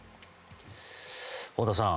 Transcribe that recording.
太田さん